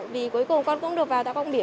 vì cuối cùng con cũng được vào tại quang biểu